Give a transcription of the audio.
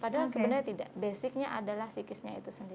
padahal sebenarnya tidak basicnya adalah psikisnya itu sendiri